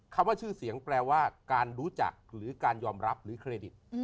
คำว่าชื่อเสียงแปลว่าการรู้จักหรือการยอมรับหรือเครดิต